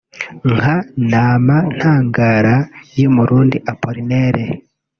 nka “Nama ntangara” y’umurundi Appollinaire